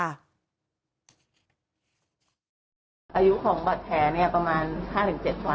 อายุของบาดแผลประมาณ๕๗วันนะคะ